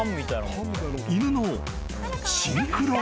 ［犬のシンクロ］